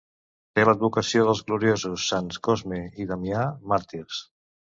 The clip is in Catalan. Té l'advocació dels gloriosos sants Cosme i Damià, màrtirs.